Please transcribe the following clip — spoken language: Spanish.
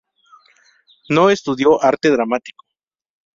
No estudió arte dramático.